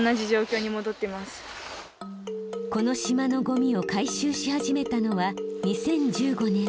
この島のゴミを回収し始めたのは２０１５年。